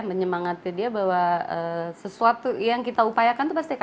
menyemangati dia bahwa sesuatu yang kita upayakan itu pasti akan